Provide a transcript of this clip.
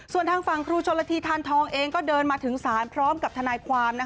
ส่วนทางฝั่งครูชนละทีทานทองเองก็เดินมาถึงศาลพร้อมกับทนายความ